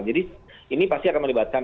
jadi ini pasti akan melibatkan